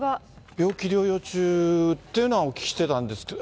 病気療養中というのはお聞きしてたんですけど。